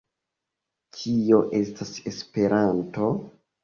Kio estas Esperanto?